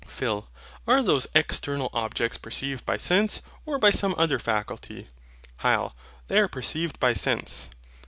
PHIL. Are those external objects perceived by sense or by some other faculty? HYL. They are perceived by sense.